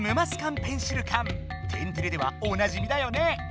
「天てれ」ではおなじみだよね。